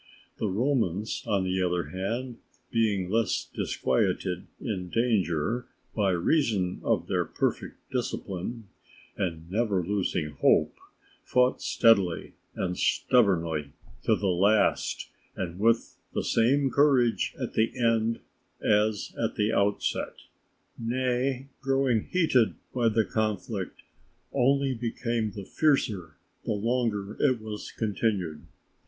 The Romans, on the other hand, being less disquieted in danger by reason of their perfect discipline, and never losing hope, fought steadily and stubbornly to the last, and with the same courage at the end as at the outset; nay, growing heated by the conflict, only became the fiercer the longer it was continued.